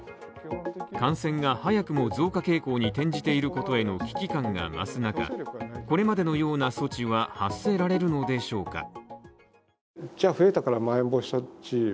感染が早くも増加傾向に転じていることへの危機感が増す中、これまでのような措置は発せられるのでしょうか。